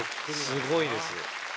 すごいです。